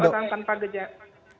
orang tanpa geja